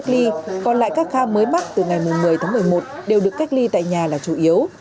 các ca mới mắc từ ngày một mươi tháng một mươi một đều được cách ly tại nhà là chủ yếu